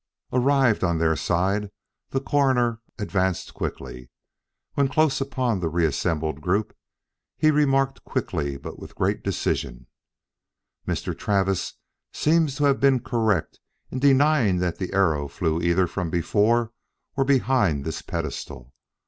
Arrived on their side, the Coroner advanced quickly. When close upon the reassembled group, he remarked quickly but with great decision: "Mr. Travis seems to have been correct in denying that the arrow flew either from before or behind this pedestal.